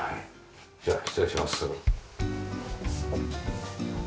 じゃあ失礼します。